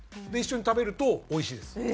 で一緒に食べると美味しいです。